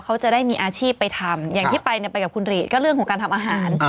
เขาจะได้มีอาชีพไปทำอย่างที่ไปเนี่ยไปกับคุณหรีดก็เรื่องของการทำอาหาร